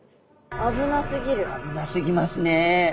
危なすぎますね。